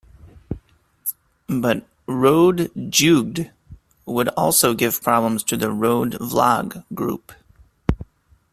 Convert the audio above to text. But "Rode Jeugd" would also give problems to the "Rode Vlag"-group.